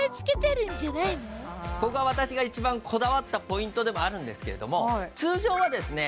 ここは私が一番こだわったポイントでもあるんですけれども通常はですね